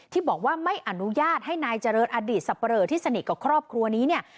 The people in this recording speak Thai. ที่บอกว่าไม่อนุญาตให้นายเจริญอดีตสับปะเลอที่สนิทกับครอบครัวนี้เนี่ย